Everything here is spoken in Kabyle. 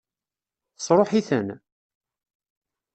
Tesṛuḥ-iten?